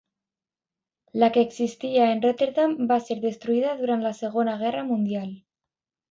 La que existia en Rotterdam va ser destruïda durant la Segona Guerra Mundial.